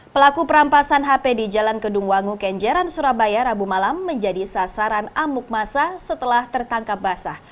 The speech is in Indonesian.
pelaku perampasan hp di jalan kedungwangu kenjeran surabaya rabu malam menjadi sasaran amuk masa setelah tertangkap basah